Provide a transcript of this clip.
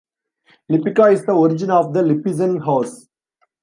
Lipica is the origin of the Lipizzan horse.